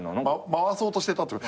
回そうとしてたってこと？